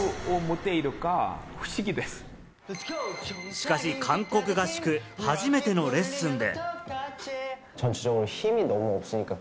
しかし韓国合宿、初めてのレッスンで。